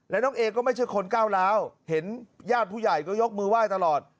แล้วน้องเอก็ไม่ใช่คนก้าวร้าวเห็นญาติผู้ใหญ่ก็ยกมือไหว้ตลอด